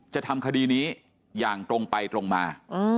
จะทำคดีนี้อย่างตรงไปตรงมา